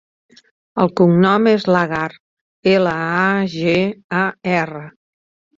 El cognom és Lagar: ela, a, ge, a, erra.